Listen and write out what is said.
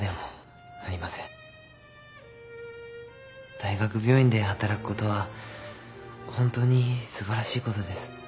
大学病院で働くことはホントにすばらしいことです。